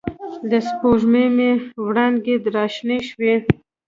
د سپوږ مۍ وړانګې را شنې شوې